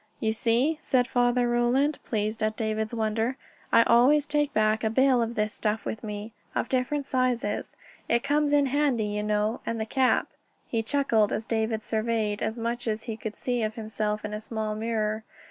"You see," said Father Roland, pleased at David's wonder, "I always take back a bale of this stuff with me, of different sizes; it comes in handy, you know. And the cap...." He chuckled as David surveyed as much as he could see of himself in a small mirror.